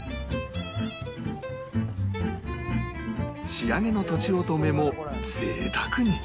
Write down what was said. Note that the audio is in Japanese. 仕上げのとちおとめも贅沢に